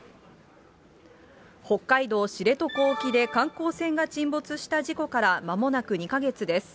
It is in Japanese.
北海道知床沖で観光船が沈没した事故からまもなく２か月です。